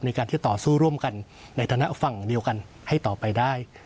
ในการที่ต่อสู้ร่วมกันในฐานะฝั่งเดียวกันให้ต่อไปได้